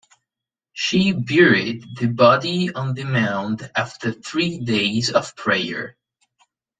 She buried the body on the mound after three days of prayer.